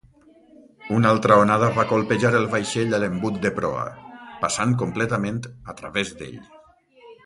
Una altra onada va colpejar el vaixell a l'embut de proa, passant completament a través d'ell.